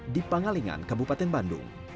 di pangalingan kabupaten bandung